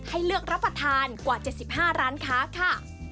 ให้เลือกรับประทานกว่า๗๕ร้านค้าค่ะ